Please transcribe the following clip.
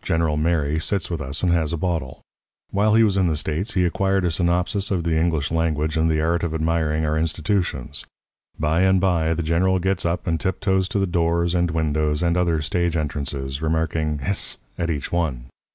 "General Mary sits with us and has a bottle. While he was in the States he had acquired a synopsis of the English language and the art of admiring our institutions. By and by the General gets up and tiptoes to the doors and windows and other stage entrances, remarking 'Hist!' at each one.